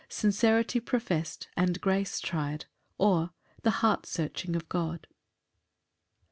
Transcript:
Sincerity professed, and grace tried; or, The heart searching of God.